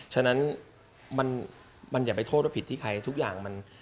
ฉะนั้นมันอย่าไปโทษว่าผิดที่ใครทุกอย่างมัน